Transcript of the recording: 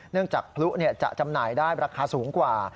จากพลุจะจำหน่ายได้ราคาสูงกว่า